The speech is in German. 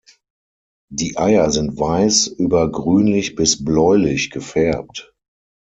Die Eier sind weiß über grünlich bis bläulich gefärbt.